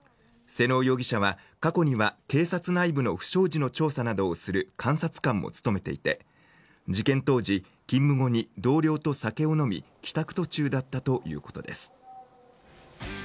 妹尾容疑者は過去には、警察内部の不祥事の調査などをする監察官も務めていて、事件当時、勤務後に同僚と酒を飲み、帰宅途中だったということです。